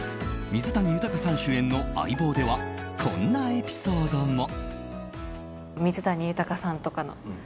水谷豊さん主演の「相棒」ではこんなエピソードも。